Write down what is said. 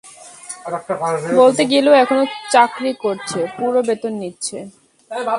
বলতে গেলে ও এখনো চাকরি করছে, পুরো বেতন নিচ্ছে।